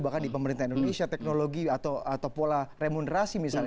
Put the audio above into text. bahkan di pemerintah indonesia teknologi atau pola remunerasi misalnya